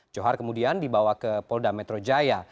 johar kemudian dibawa ke polda metro jaya